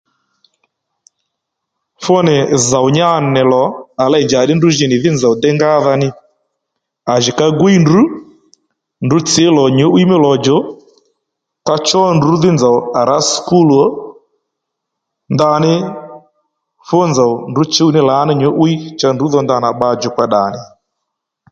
Fú nì zòw nyá nì nì lò à lêy njàddí ndrǔ ji nì ìdhí nzòw déy ngádha ní à jì ka gwíy ndrǔ ndrǔ tsǐ lò nyǔ'wiy mí lò djò ka chó ndrǔ dhí nzòw à rǎ sùkúl ò ndaní fú nzòw ndrǔ chǔw ní lǎní nyǔ'wíy cha ndrǔ ndanà bba djùkpa ddà nì